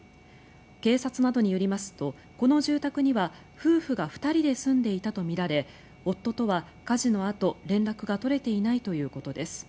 警察などによりますとこの住宅には夫婦が２人で住んでいたとみられ夫とは火事のあと、連絡が取れていないということです。